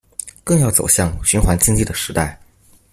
更要走向循環經濟的時代